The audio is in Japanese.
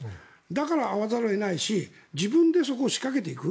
だから会わざるを得ないし自分でそこを仕掛けていく。